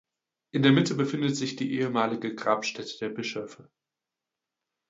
In der Mitte befindet sich die ehemalige Grabstätte der Bischöfe.